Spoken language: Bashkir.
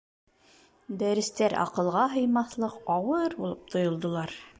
Дәрестәр аҡылға һыймаҫлыҡ ауыр булып тойолдолар